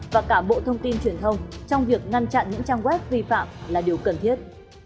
và cả bộ thông tin truyền thông trong việc ngăn chặn những trang web vi phạm là điều cần thiết